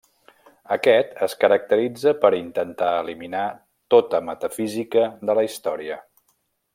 Aquest es caracteritza per intentar eliminar tota metafísica de la història.